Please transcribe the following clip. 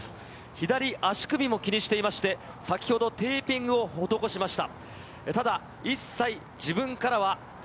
左足首も気にしていまして、先ほど、テーピングを施しました。